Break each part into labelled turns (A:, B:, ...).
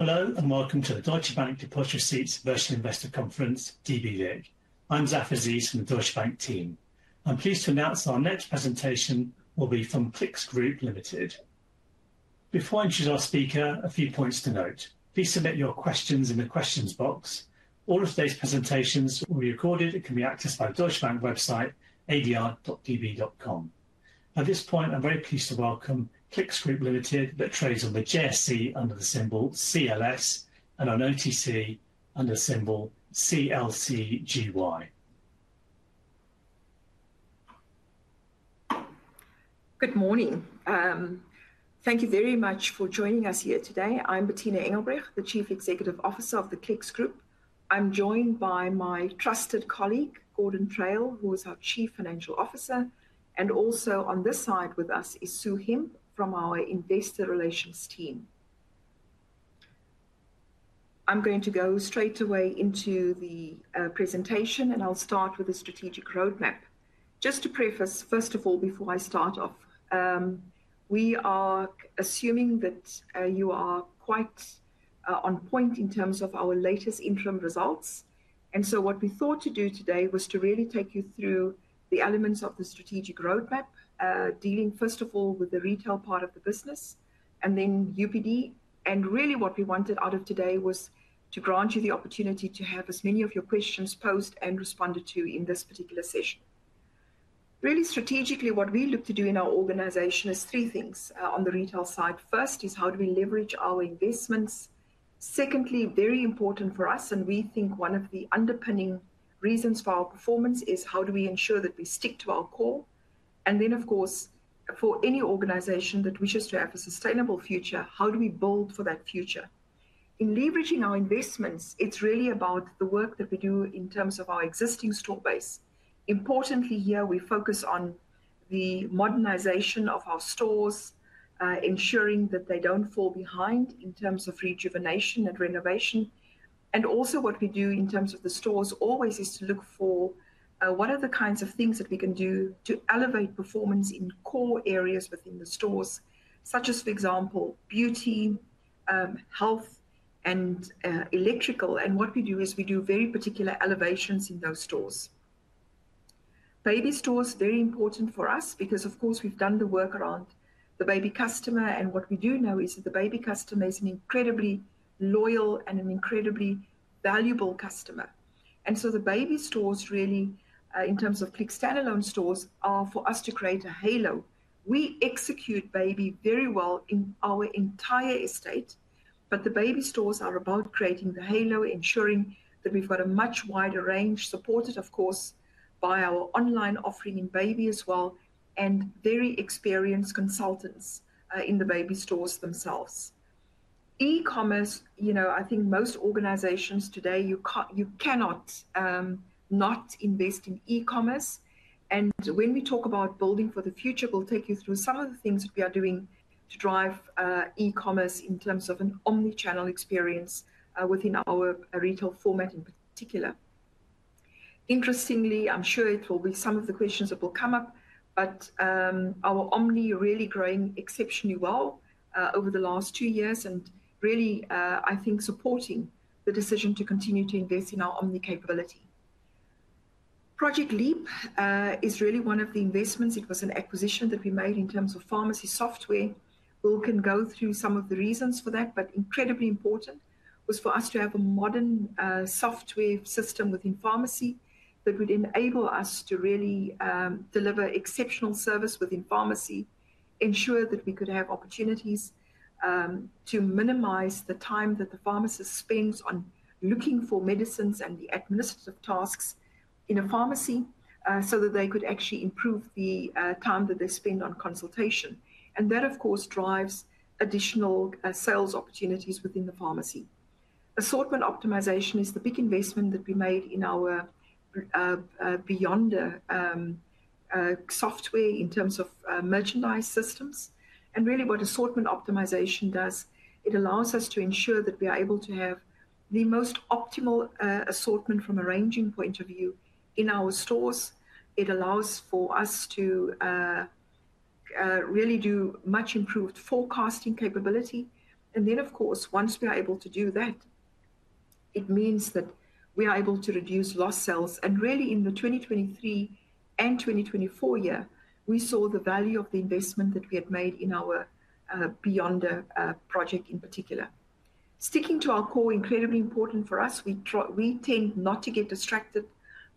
A: Hello and Welcome to the Deutsche Bank Deposit Receipts Versus Investor Conference, DBV. I'm Zafar Aziz from the Deutsche Bank team. I'm pleased to announce our next presentation will be from Clicks Group Limited. Before I introduce our speaker, a few points to note. Please submit your questions in the questions box. All of today's presentations will be recorded and can be accessed by the Deutsche Bank website, adr.db.com. At this point, I'm very pleased to welcome Clicks Group Limited that trades on the JSE under the symbol CLS and on OTC under the symbol CLCGY.
B: Good morning. Thank you very much for joining us here today. I'm Bertina Engelbrecht, the Chief Executive Officer of the Clicks Group. I'm joined by my trusted colleague, Gordon Traill, who is our Chief Financial Officer. Also on this side with us is Sue Hemp from our Investor Relations team. I'm going to go straight away into the presentation and I'll start with the strategic roadmap. Just to preface, first of all, before I start off, we are assuming that you are quite on point in terms of our latest interim results. What we thought to do today was to really take you through the elements of the strategic roadmap, dealing first of all with the retail part of the business and then UPD. Really what we wanted out of today was to grant you the opportunity to have as many of your questions posed and responded to in this particular session. Really strategically, what we look to do in our organization is three things on the retail side. First is how do we leverage our investments. Secondly, very important for us, and we think one of the underpinning reasons for our performance, is how do we ensure that we stick to our core. Of course, for any organization that wishes to have a sustainable future, how do we build for that future? In leveraging our investments, it is really about the work that we do in terms of our existing store base. Importantly here, we focus on the modernization of our stores, ensuring that they do not fall behind in terms of rejuvenation and renovation. What we do in terms of the stores always is to look for what are the kinds of things that we can do to elevate performance in core areas within the stores, such as, for example, beauty, health, and electrical. What we do is we do very particular elevations in those stores. Baby stores are very important for us because, of course, we've done the work around the Baby customer. What we do know is that the Baby customer is an incredibly loyal and an incredibly valuable customer. The Baby stores really, in terms of Clicks standalone stores, are for us to create a halo. We execute Baby very well in our entire estate, but the Baby stores are about creating the halo, ensuring that we've got a much wider range, supported, of course, by our online offering in Baby as well, and very experienced consultants in the Baby stores themselves. E-commerce, you know, I think most organizations today, you cannot not invest in e-commerce. When we talk about building for the future, we'll take you through some of the things that we are doing to drive e-commerce in terms of an omnichannel experience within our retail format in particular. Interestingly, I'm sure it will be some of the questions that will come up, but our omni really growing exceptionally well over the last two years and really, I think, supporting the decision to continue to invest in our omni capability. Project LEAP is really one of the investments. It was an acquisition that we made in terms of pharmacy software. We can go through some of the reasons for that, but incredibly important was for us to have a modern software system within pharmacy that would enable us to really deliver exceptional service within pharmacy, ensure that we could have opportunities to minimize the time that the pharmacist spends on looking for medicines and the administrative tasks in a pharmacy so that they could actually improve the time that they spend on consultation. That, of course, drives additional sales opportunities within the pharmacy. Assortment optimization is the big investment that we made in our [Beyonder] software in terms of merchandise systems. Really what assortment optimization does, it allows us to ensure that we are able to have the most optimal assortment from a ranging point of view in our stores. It allows for us to really do much improved forecasting capability. Once we are able to do that, it means that we are able to reduce lost sales. Really in the 2023 and 2024 year, we saw the value of the investment that we had made in our [Beyonder] project in particular. Sticking to our core, incredibly important for us, we tend not to get distracted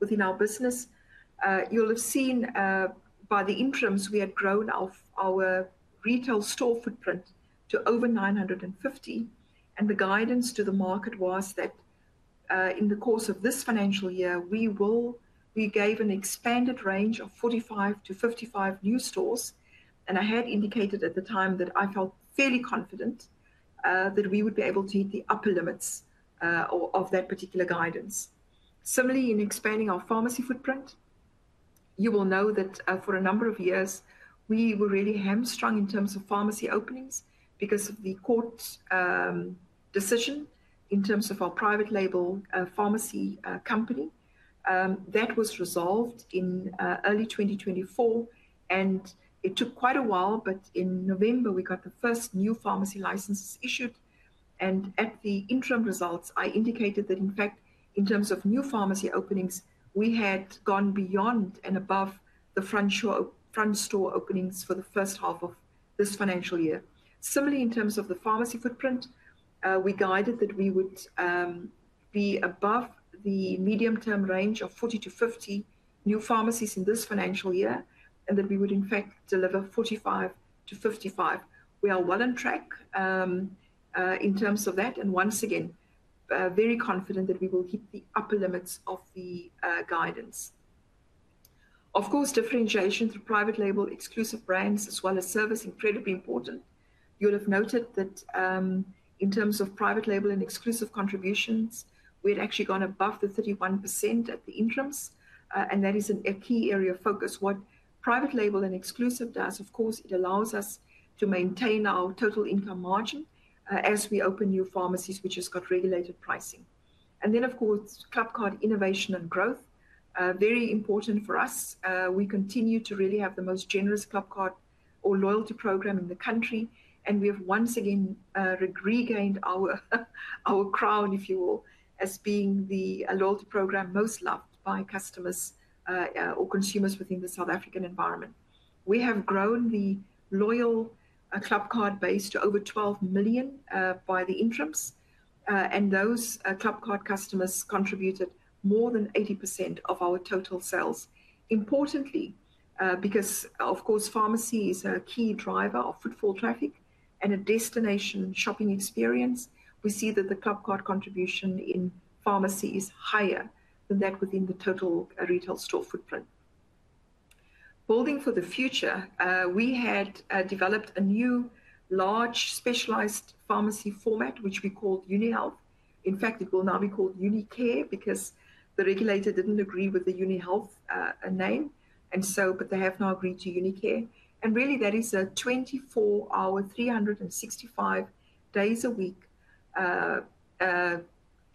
B: within our business. You'll have seen by the interims we had grown our retail store footprint to over 950. The guidance to the market was that in the course of this financial year, we gave an expanded range of 45 new stores-55 new stores. I had indicated at the time that I felt fairly confident that we would be able to hit the upper limits of that particular guidance. Similarly, in expanding our pharmacy footprint, you will know that for a number of years, we were really hamstrung in terms of pharmacy openings because of the court decision in terms of our private-label pharmacy company. That was resolved in early 2024. It took quite a while, but in November, we got the first new pharmacy licenses issued. At the interim results, I indicated that in fact, in terms of new pharmacy openings, we had gone beyond and above the front store openings for the first half of this financial year. Similarly, in terms of the pharmacy footprint, we guided that we would be above the medium-term range of 40 new pharmacies-50 new pharmacies in this financial year and that we would in fact deliver 45 new pharmacies-55 new pharmacies. We are well on track in terms of that. Once again, very confident that we will hit the upper limits of the guidance. Of course, differentiation through private label, exclusive brands, as well as service is incredibly important. You'll have noted that in terms of private label and exclusive contributions, we had actually gone above the 31% at the interims. That is a key area of focus. What private label and exclusive does, of course, it allows us to maintain our total income margin as we open new pharmacies, which has got regulated pricing. ClubCard innovation and growth, very important for us. We continue to really have the most generous ClubCard or loyalty program in the country. We have once again regained our crown, if you will, as being the loyalty program most loved by customers or consumers within the South African environment. We have grown the loyal ClubCard base to over 12 million by the interims. Those ClubCard customers contributed more than 80% of our total sales. Importantly, because, of course, pharmacy is a key driver of footfall traffic and a destination shopping experience, we see that the ClubCard contribution in pharmacy is higher than that within the total retail store footprint. Building for the future, we had developed a new large specialized pharmacy format, which we called UniHealth. In fact, it will now be called UniCare because the regulator did not agree with the UniHealth name. They have now agreed to UniCare. That is a 24-hour, 365 days a week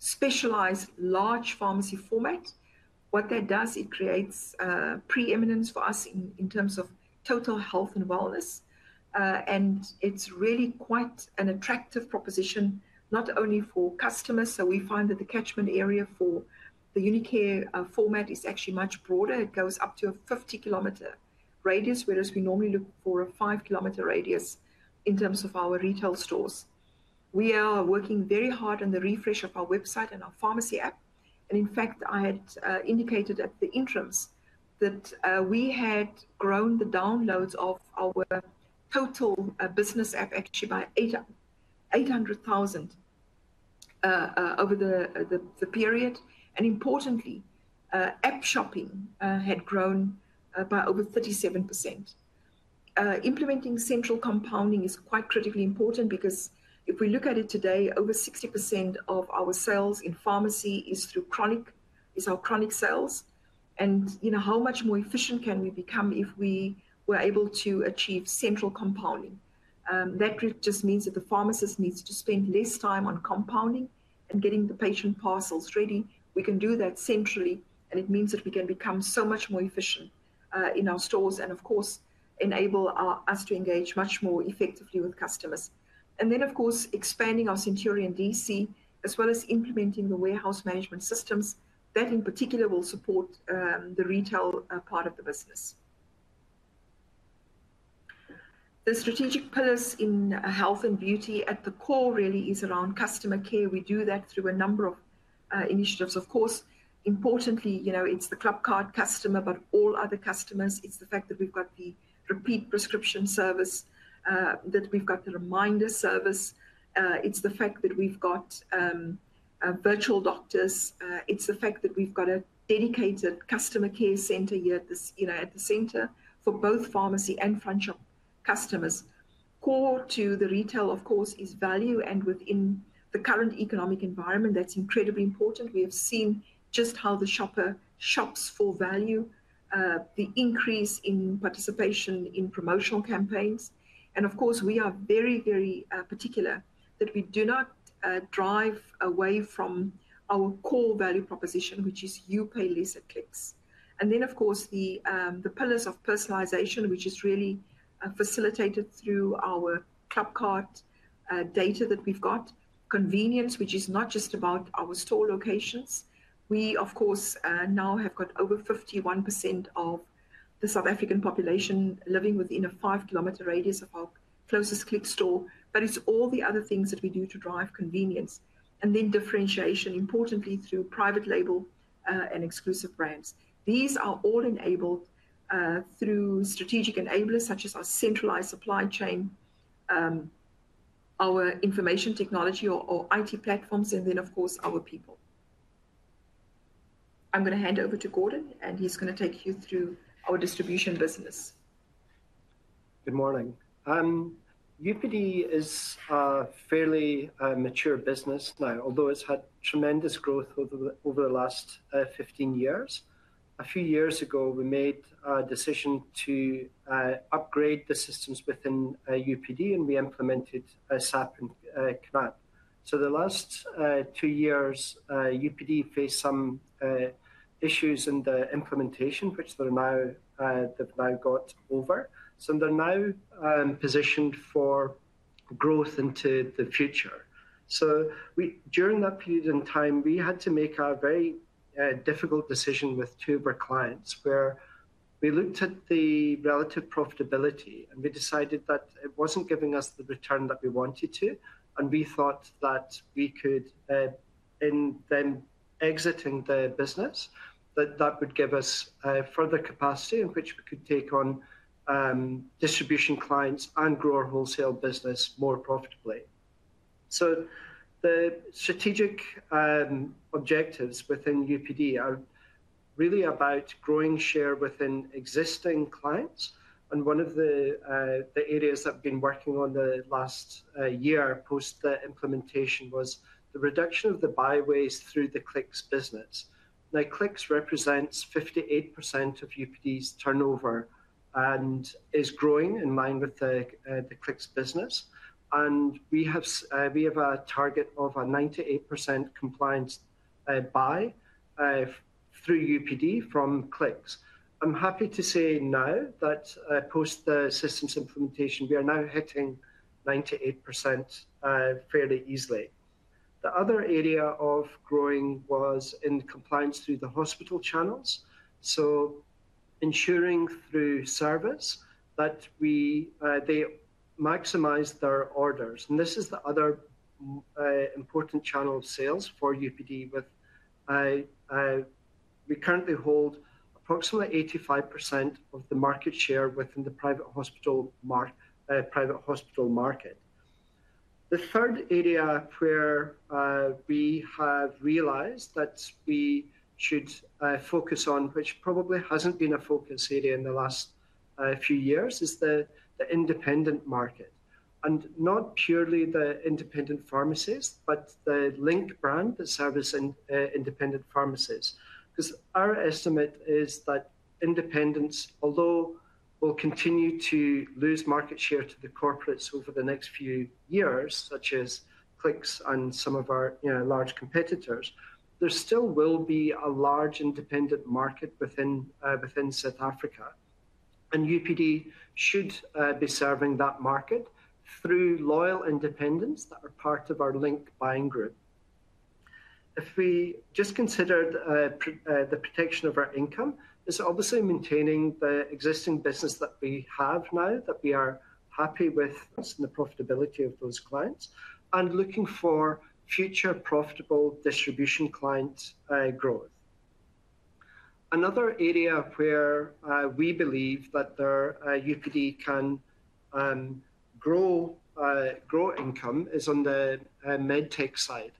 B: specialized large pharmacy format. What that does, it creates preeminence for us in terms of total health and wellness. It is really quite an attractive proposition, not only for customers. We find that the catchment area for the UniCare format is actually much broader. It goes up to a 50-km radius, whereas we normally look for a 5-km radius in terms of our retail stores. We are working very hard on the refresh of our website and our pharmacy app. In fact, I had indicated at the interims that we had grown the downloads of our total business app actually by 800,000 over the period. Importantly, app shopping had grown by over 37%. Implementing central compounding is quite critically important because if we look at it today, over 60% of our sales in pharmacy is through chronic, is our chronic sales. You know how much more efficient can we become if we were able to achieve central compounding? That just means that the pharmacist needs to spend less time on compounding and getting the patient parcels ready. We can do that centrally. It means that we can become so much more efficient in our stores and, of course, enable us to engage much more effectively with customers. Of course, expanding our Centurion DC, as well as implementing the warehouse management systems, that in particular will support the retail part of the business. The strategic pillars in health and beauty at the core really is around customer care. We do that through a number of initiatives. Of course, importantly, you know it's the ClubCard customer, but all other customers. It's the fact that we've got the repeat prescription service, that we've got the reminder service. It's the fact that we've got virtual doctors. It's the fact that we've got a dedicated customer care center here at the center for both pharmacy and front shop customers. Core to the retail, of course, is value. Within the current economic environment, that's incredibly important. We have seen just how the shopper shops for value, the increase in participation in promotional campaigns. We are very, very particular that we do not drive away from our core value proposition, which is you pay less at Clicks. The pillars of personalization, which is really facilitated through our ClubCard data that we've got, convenience, which is not just about our store locations. We now have got over 51% of the South African population living within a 5-km radius of our closest Clicks store. It's all the other things that we do to drive convenience. Differentiation, importantly, through private label and exclusive brands. These are all enabled through strategic enablers such as our centralized supply chain, our Information Technology or IT platforms, and then, of course, our people. I'm going to hand over to Gordon, and he's going to take you through our distribution business.
C: Good morning. UPD is a fairly mature business now, although it's had tremendous growth over the last 15 years. A few years ago, we made a decision to upgrade the systems within UPD, and we implemented SAP and [CAD]. The last two years, UPD faced some issues in the implementation, which they've now got over. They're now positioned for growth into the future. During that period in time, we had to make a very difficult decision with two of our clients where we looked at the relative profitability, and we decided that it wasn't giving us the return that we wanted to. We thought that, in them exiting the business, that would give us further capacity in which we could take on distribution clients and grow our wholesale business more profitably. The strategic objectives within UPD are really about growing share within existing clients. One of the areas that we've been working on the last year post the implementation was the reduction of the byways through the Clicks business. Now, Clicks represents 58% of UPD's turnover and is growing in line with the Clicks business. We have a target of a 98% compliance buy through UPD from Clicks. I'm happy to say now that post the systems implementation, we are now hitting 98% fairly easily. The other area of growing was in compliance through the hospital channels. Ensuring through service that they maximize their orders. This is the other important channel of sales for UPD. We currently hold approximately 85% of the market share within the private hospital market. The third area where we have realized that we should focus on, which probably hasn't been a focus area in the last few years, is the independent market. Not purely the independent pharmacies, but the Link brand, the service and independent pharmacies. Our estimate is that independents, although they will continue to lose market share to the corporates over the next few years, such as Clicks and some of our large competitors, there still will be a large independent market within South Africa. UPD should be serving that market through loyal independents that are part of our Link buying group. If we just considered the protection of our income, it's obviously maintaining the existing business that we have now, that we are happy with. The profitability of those clients and looking for future profitable distribution client growth. Another area where we believe that UPD can grow income is on the med tech side.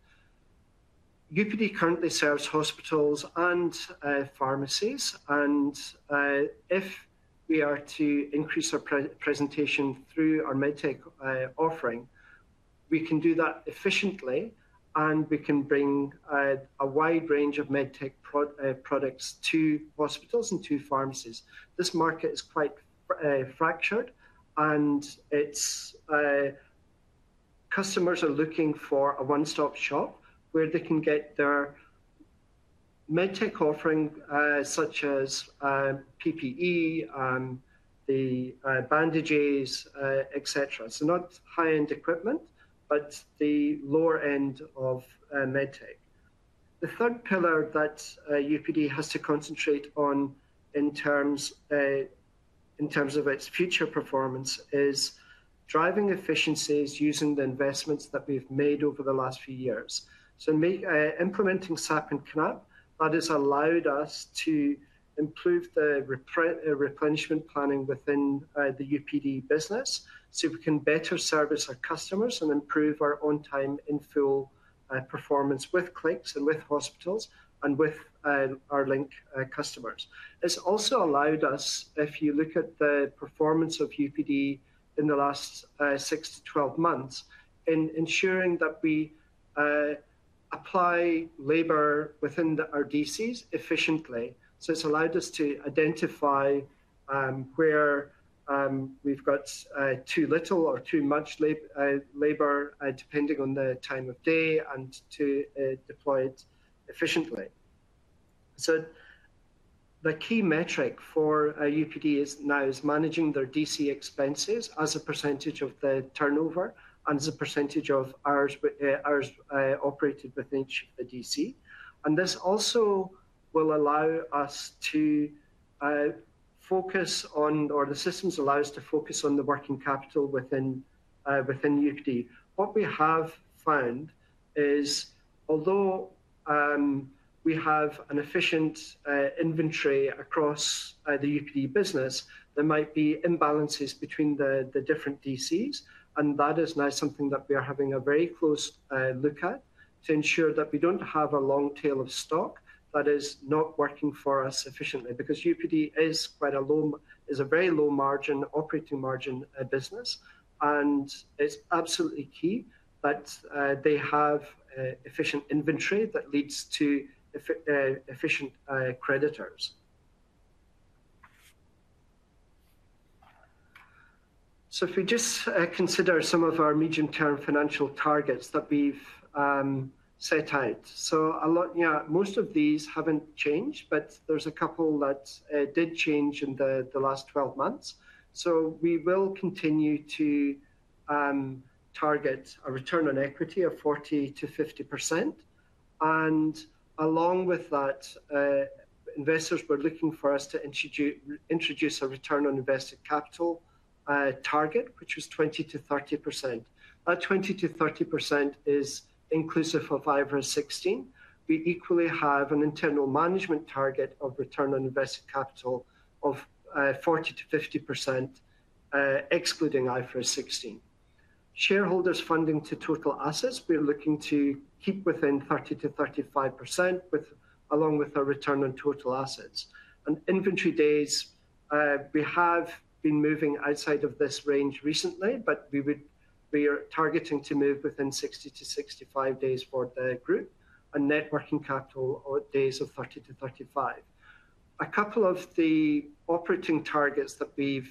C: UPD currently serves hospitals and pharmacies. If we are to increase our presentation through our med tech offering, we can do that efficiently and we can bring a wide range of med tech products to hospitals and to pharmacies. This market is quite fractured and customers are looking for a one-stop shop where they can get their med tech offering, such as PPE, the bandages, etc. Not high-end equipment, but the lower end of med tech. The third pillar that UPD has to concentrate on in terms of its future performance is driving efficiencies using the investments that we've made over the last few years. Implementing SAP and [CAD], that has allowed us to improve the replenishment planning within the UPD business so we can better service our customers and improve our on-time infill performance with Clicks and with hospitals and with our link customers. It's also allowed us, if you look at the performance of UPD in the last six to 12 months, in ensuring that we apply labor within our DCs efficiently. It's allowed us to identify where we've got too little or too much labor depending on the time of day and to deploy it efficiently. The key metric for UPD now is managing their DC expenses as a percentage of the turnover and as a percentage of hours operated within each of the DC. This also will allow us to focus on, or the systems allow us to focus on, the working capital within UPD. What we have found is, although we have an efficient inventory across the UPD business, there might be imbalances between the different DCs. That is now something that we are having a very close look at to ensure that we do not have a long tail of stock that is not working for us efficiently. UPD is quite a low, is a very low margin, operating margin business. It is absolutely key that they have efficient inventory that leads to efficient creditors. If we just consider some of our medium-term financial targets that we have set out. Most of these have not changed, but there is a couple that did change in the last 12 months. We will continue to target a return on equity of 40%-50%. Along with that, investors were looking for us to introduce a return on invested capital target, which was 20%-30%. That 20%-30% is inclusive of IFRS 16. We equally have an internal management target of return on invested capital of 40-50%, excluding IFRS 16. Shareholders funding to total assets, we are looking to keep within 30%-35% along with our return on total assets. Inventory days, we have been moving outside of this range recently, but we are targeting to move within 60 days-65 days for the group and net working capital days of 30 days-35 days. A couple of the operating targets that we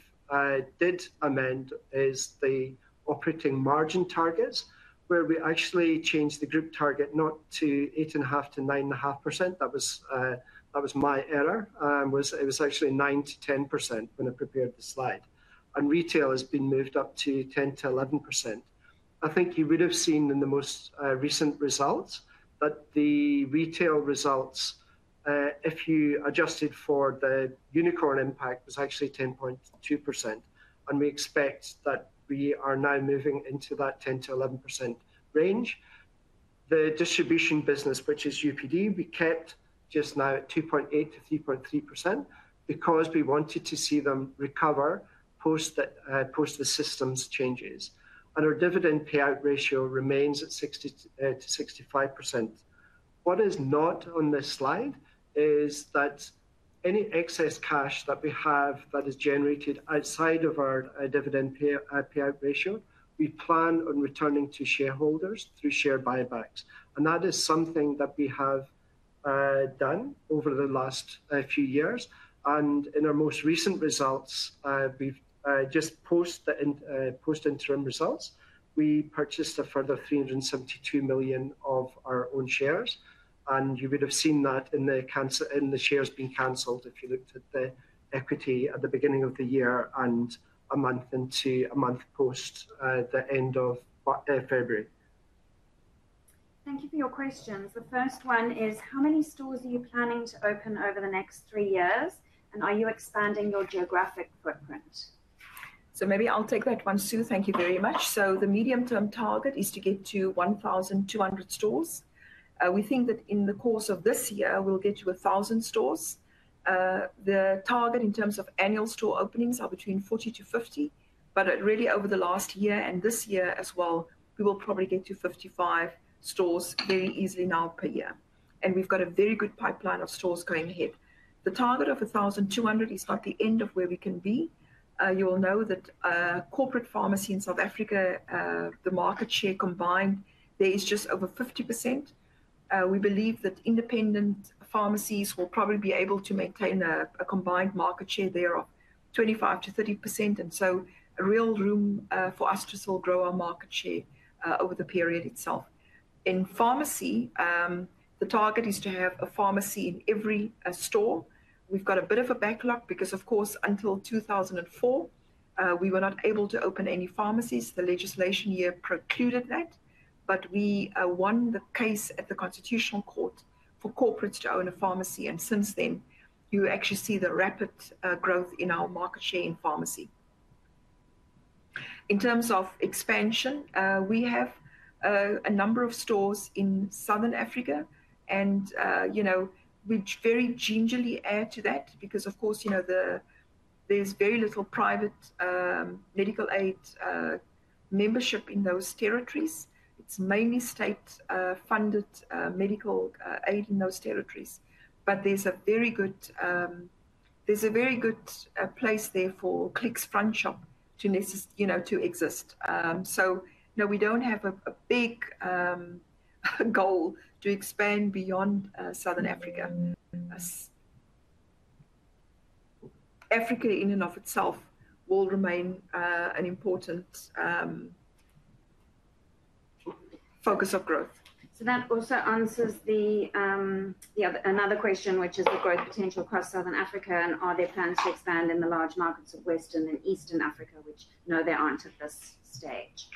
C: did amend is the operating margin targets, where we actually changed the group target not to 8.5%-9.5%. That was my error. It was actually 9%-10% when I prepared the slide. And retail has been moved up to 10%-11%. I think you would have seen in the most recent results that the retail results, if you adjusted for the unicorn impact, was actually 10.2%. And we expect that we are now moving into that 10%-11% range. The distribution business, which is UPD, we kept just now at 2.8%-3.3% because we wanted to see them recover post the systems changes. And our dividend payout ratio remains at 60%-65%. What is not on this slide is that any excess cash that we have that is generated outside of our dividend payout ratio, we plan on returning to shareholders through share buybacks. That is something that we have done over the last few years. In our most recent results, we have just post interim results, we purchased a further 372 million of our own shares. You would have seen that in the shares being canceled if you looked at the equity at the beginning of the year and a month into a month post the end of February.
D: Thank you for your questions. The first one is, how many stores are you planning to open over the next three years? Are you expanding your geographic footprint?
B: Maybe I'll take that one soon. Thank you very much. The medium-term target is to get to 1,200 stores. We think that in the course of this year, we'll get to 1,000 stores. The target in terms of annual store openings are between 40 stores-50 stores. Over the last year and this year as well, we will probably get to 55 stores very easily now per year. We've got a very good pipeline of stores going ahead. The target of 1,200 is not the end of where we can be. You will know that corporate pharmacy in South Africa, the market share combined, there is just over 50%. We believe that independent pharmacies will probably be able to maintain a combined market share there of 25%-30%. There is real room for us to still grow our market share over the period itself. In pharmacy, the target is to have a pharmacy in every store. We've got a bit of a backlog because, of course, until 2004, we were not able to open any pharmacies. The legislation year precluded that. We won the case at the Constitutional Court for corporates to own a pharmacy. Since then, you actually see the rapid growth in our market share in pharmacy. In terms of expansion, we have a number of stores in Southern Africa. We very gingerly add to that because, of course, there's very little private medical aid membership in those territories. It's mainly state-funded medical aid in those territories. There's a very good place there for Clicks front shop to exist. No, we don't have a big goal to expand beyond Southern Africa. Africa in and of itself will remain an important focus of growth.
D: That also answers another question, which is the growth potential across Southern Africa and are there plans to expand in the large markets of Western and Eastern Africa, which no, there are not at this stage.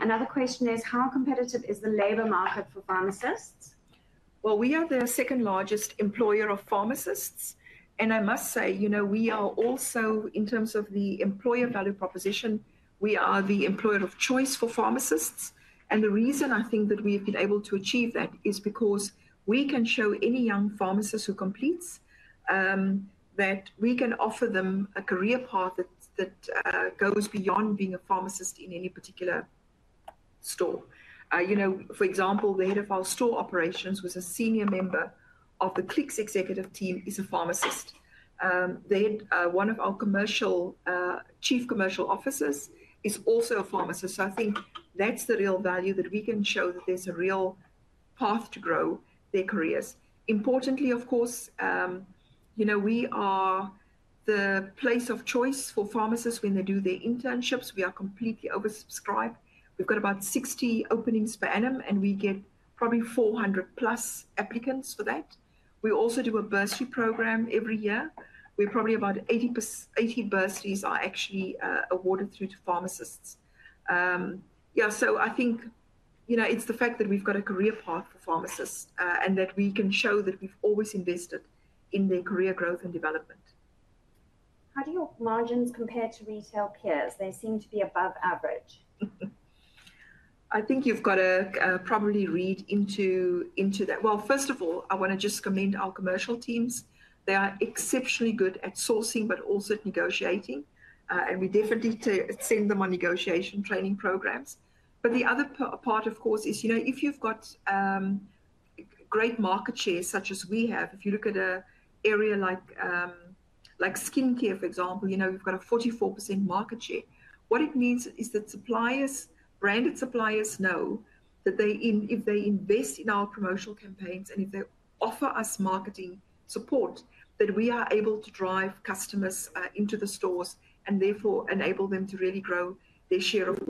D: Another question is, how competitive is the labor market for pharmacists?
B: We are the second largest employer of pharmacists. I must say, you know, we are also, in terms of the employer value proposition, the employer of choice for pharmacists. The reason I think that we have been able to achieve that is because we can show any young pharmacist who completes that we can offer them a career path that goes beyond being a pharmacist in any particular store. For example, the head of our store operations, who is a senior member of the Clicks Executive Team, is a pharmacist. One of our Chief Commercial Officers is also a pharmacist. I think that's the real value that we can show that there's a real path to grow their careers. Importantly, of course, we are the place of choice for pharmacists when they do their internships. We are completely oversubscribed. We've got about 60 openings per annum, and we get probably 400+ applicants for that. We also do a bursary program every year. We're probably about 80 bursaries are actually awarded through to pharmacists. Yeah, I think it's the fact that we've got a career path for pharmacists and that we can show that we've always invested in their career growth and development.
D: How do your margins compare to retail peers? They seem to be above average.
B: I think you've got to probably read into that. First of all, I want to just commend our commercial teams. They are exceptionally good at sourcing, but also at negotiating. We definitely need to send them on negotiation training programs. The other part, of course, is if you've got great market shares such as we have, if you look at an area like skincare, for example, you've got a 44% market share. What it means is that branded suppliers know that if they invest in our promotional campaigns and if they offer us marketing support, we are able to drive customers into the stores and therefore enable them to really grow their share.